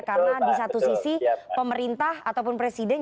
karena di satu sisi pemerintah ataupun presiden